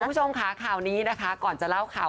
คุณผู้ชมค่ะข่าวนี้นะคะก่อนจะเล่าข่าว